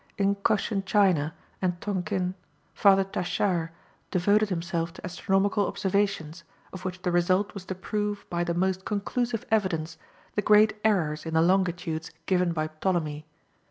In Cochin China and Tonkin, Father Tachard devoted himself to astronomical observations, of which the result was to prove by the most conclusive evidence the great errors in the longitudes given by Ptolemy.